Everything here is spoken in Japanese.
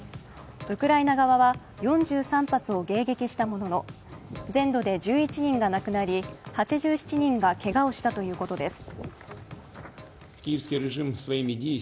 ウクライナ側は４３発を迎撃したものの、全土で１１人が亡くなり８７人がけがをしたということです。